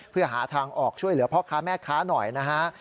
เพื่อหาทางออกช่วยเหลือพ่อค้าแม่ค้าหน่อยนะฮะ